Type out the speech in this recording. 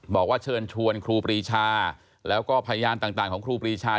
บอกว่าเชิญชวนครูปรีชาแล้วก็พยานต่างของครูปรีชา